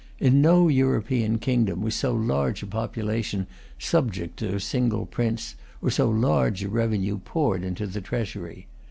In no European kingdom was so large a population subject to a single prince, or so large a revenue poured into the treasury.